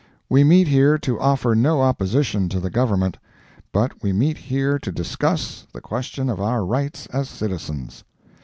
We meet here to offer no opposition to the Government; but we meet here to discuss, the question of our rights as citizens.